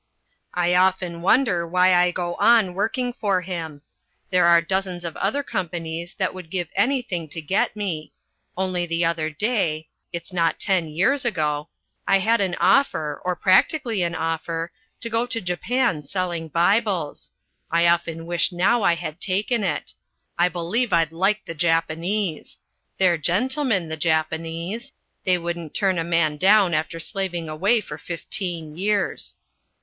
I often wonder why I go on working for him. There are dozens of other companies that would give anything to get me. Only the other day it's not ten years ago I had an offer, or practically an offer, to go to Japan selling Bibles. I often wish now I had taken it. I believe I'd like the Japanese. They're gentlemen, the Japanese. They wouldn't turn a man down after slaving away for fifteen years.